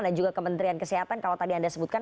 dan juga kementerian kesehatan kalau tadi anda sebutkan